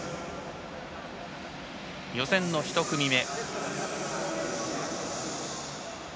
予選１組目。